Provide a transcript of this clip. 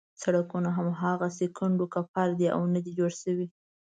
سړکونه هماغسې کنډو کپر دي او نه دي جوړ شوي.